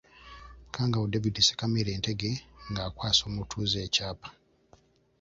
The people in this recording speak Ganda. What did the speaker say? Kangaawo David Ssekamere Ntege ng'akwasa omutuuze ekyapa.